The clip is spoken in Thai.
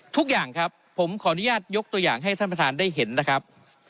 ทุกอย่างครับผมขออนุญาตยกตัวอย่างให้ท่านประธานได้เห็นนะครับ